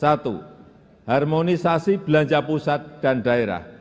satu harmonisasi belanja pusat dan daerah